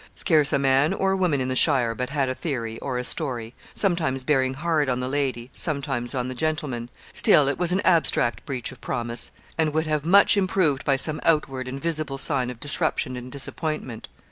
Scarce a man or woman in the shire but had a theory or a story sometimes bearing hard on the lady, sometimes on the gentleman; still it was an abstract breach of promise, and would have much improved by some outward and visible sign of disruption and disappointment.